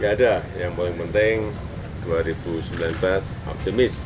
tidak ada yang paling penting dua ribu sembilan belas optimis